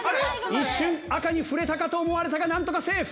一瞬赤に触れたかと思われたがなんとかセーフ！